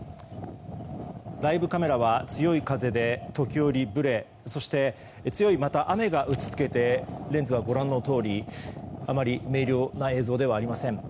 ライブカメラは強い風で時折ぶれそして、強い雨が打ち付けてレンズは、あまり明瞭な映像ではありません。